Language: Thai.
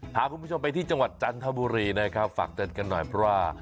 พาคุณผู้ชมไปที่จังหวัดจันทบุรีนะครับฝากเตือนกันหน่อยเพราะว่า